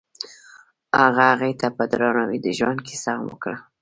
هغه هغې ته په درناوي د ژوند کیسه هم وکړه.